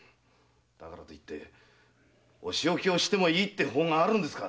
だからってお仕置きをしてもいいって法があるんですかい？